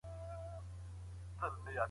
لاس لیکنه د ازموینو په بریالیتوب کي رول لري.